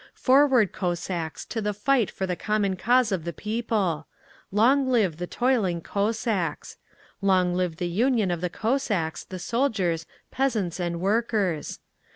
"Forward, Cossacks, to the fight for the common cause of the people! "Long live the toiling Cossacks! "Long live the union of the Cossacks, the soldiers, peasants and workers!